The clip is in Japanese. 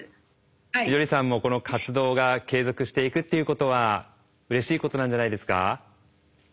みどりさんもこの活動が継続していくっていうことはうれしいことなんじゃないですか？